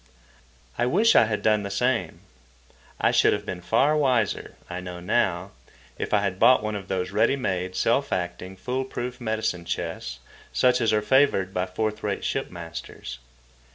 I wish I had done the same. I should have been far wiser, I know now, if I had bought one of those ready made, self acting, fool proof medicine chests such as are favoured by fourth rate ship masters.